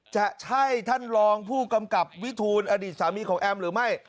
จะใช่ท่านรองผู้กำกับวิทูลอดีตสามีของแอมหรือไม่